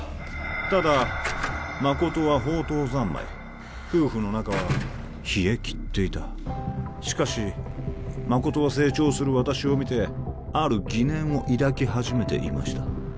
ただ誠は放とう三昧夫婦の仲は冷えきっていたしかし誠は成長する私を見てある疑念を抱き始めていました